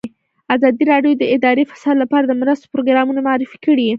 ازادي راډیو د اداري فساد لپاره د مرستو پروګرامونه معرفي کړي.